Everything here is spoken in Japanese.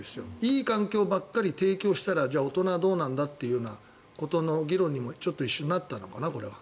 いい環境ばかり提供したら大人はどうなんだということの議論にもちょっと一瞬、なったのかなこれは。